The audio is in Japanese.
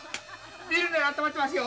ビールならあったまってますよ。